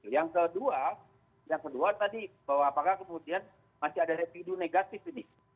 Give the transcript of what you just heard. yang kedua yang kedua tadi bahwa apakah kemudian masih ada revidu negatif ini